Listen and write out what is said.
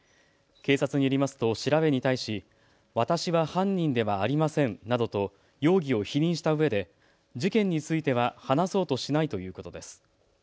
警察によりますと調べに対し私は犯人ではありませんなどと容疑を否認したうえで事件については話そうとしないということです。